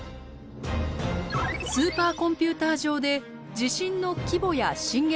スーパーコンピューター上で地震の規模や震源の場所などを